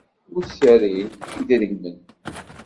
Ur serrin i yedrimen.